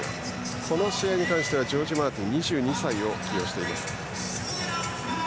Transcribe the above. この試合に関してはジョージ・マーティン、２２歳を起用しています。